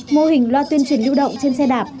mô hình loa tuyên truyền lưu động trên xe đạp